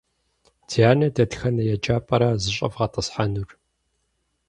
Дианэ дэтхэнэ еджапӏэра зыщӏэвгъэтӏысхьэнур?